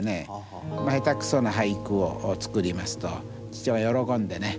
下手くそな俳句を作りますと父親喜んでね